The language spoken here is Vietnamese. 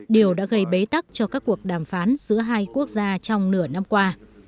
điều đã gây bế tắc cho các cuộc đàm phán giữa hai quốc gia trong nửa năm qua